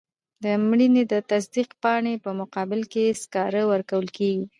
د مړینې د تصدیق پاڼې په مقابل کې سکاره ورکول کیږي.